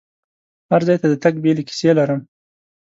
هر ځای ته د تګ بیلې کیسې لرم.